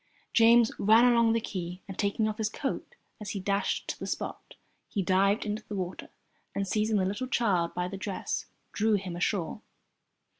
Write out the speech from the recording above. James ran along the quay, and taking off his coat as he dashed to the spot, he dived into the water and, seizing the little child by the dress, drew him ashore.